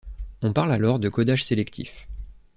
On parle alors de codage sélectif.